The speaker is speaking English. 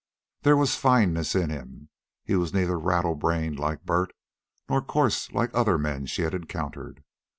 There was fineness in him. He was neither rattle brained, like Bert, nor coarse like other men she had encountered.